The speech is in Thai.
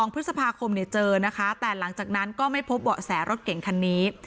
พฤษภาคมเจอนะคะแต่หลังจากนั้นก็ไม่พบเบาะแสรถเก่งคันนี้